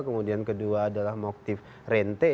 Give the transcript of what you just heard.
kemudian kedua adalah motif rente